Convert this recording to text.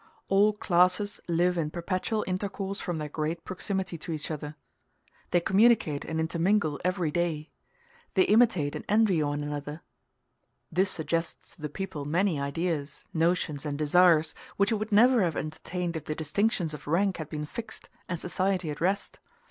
All classes live in perpetual intercourse from their great proximity to each other. They communicate and intermingle every day they imitate and envy one other: this suggests to the people many ideas, notions, and desires which it would never have entertained if the distinctions of rank had been fixed and society at rest.